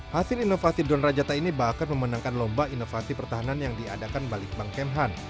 hasil inovasi drone rajata ini bahkan memenangkan lomba inovasi pertahanan yang diadakan balitbang kemhan